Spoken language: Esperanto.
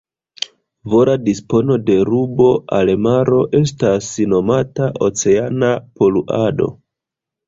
Vola dispono de rubo al maro estas nomata "oceana poluado".